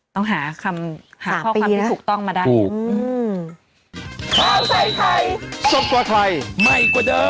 ต้องหาความถูกต้องมาได้